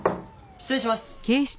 失礼します。